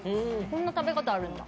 こんな食べ方あるんだ。